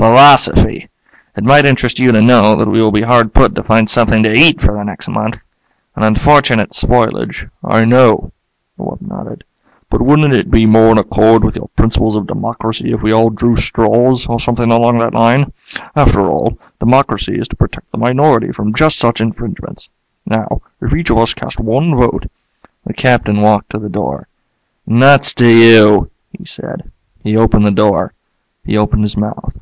"Philosophy. It might interest you to know that we will be hard put to find something to eat for the next month. An unfortunate spoilage " "I know." The wub nodded. "But wouldn't it be more in accord with your principles of democracy if we all drew straws, or something along that line? After all, democracy is to protect the minority from just such infringements. Now, if each of us casts one vote " The Captain walked to the door. "Nuts to you," he said. He opened the door. He opened his mouth.